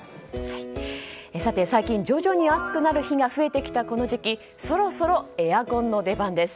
さて、最近徐々に暑くなる日が増えてきたこの時期そろそろエアコンの出番です。